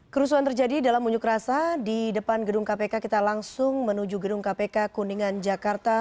kerusuhan terjadi dalam unjuk rasa di depan gedung kpk kita langsung menuju gedung kpk kuningan jakarta